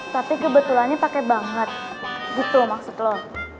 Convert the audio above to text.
tapi kebetulannya pake banget gitu maksud lu